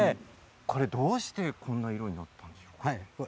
これ、どうしてこんな色になったんでしょうか？